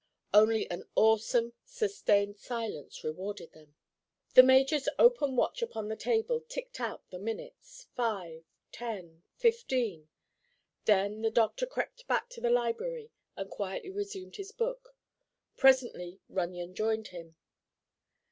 Only an awesome, sustained silence rewarded them. The major's open watch upon the table ticked out the minutes—five—ten—fifteen. Then the doctor crept back to the library and quietly resumed his book. Presently Runyon joined him.